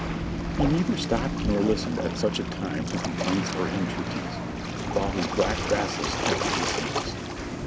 He neither stopped nor listened at such a time to complaints or entreaties, while his black vassals kept at his heels.